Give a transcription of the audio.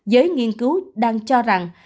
giới nghiên cứu đang cho rằng